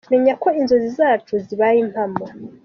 Menya ko inzozi zacu zibaye impamo.